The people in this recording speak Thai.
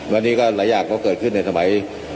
วันนี้ก็หลายอย่างก็เกิดขึ้นในสมัย